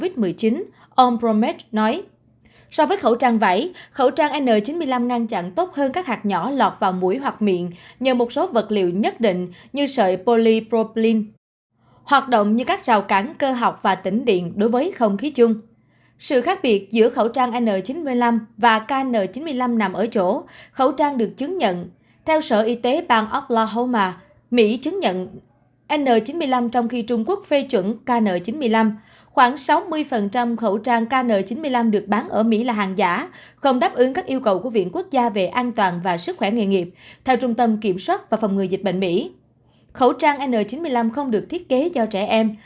theo trung tâm kiểm soát và phòng người dịch bệnh mỹ khẩu trang n chín mươi năm không được thiết kế cho trẻ em